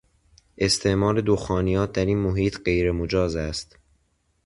استعمال دخانیات در این محیط غیر مجاز است